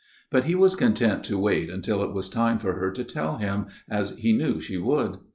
But he was content to wait until it was time for her to tell him, as he knew she would.